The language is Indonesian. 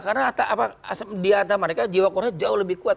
karena di atas mereka jiwa korse jauh lebih kuat